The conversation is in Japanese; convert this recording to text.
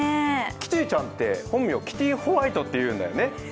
キティちゃんって、本名キティ・ホワイトっていうんだよね